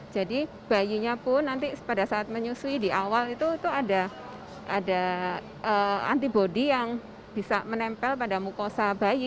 jadi bayinya pun nanti pada saat menyusui di awal itu ada antibody yang bisa menempel pada mukosa bayi